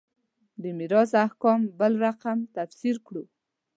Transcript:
د میراث احکام بل رقم تفسیر کړو.